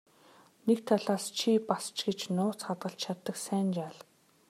Нэг талаас чи бас ч гэж нууц хадгалж чаддаг сайн жаал.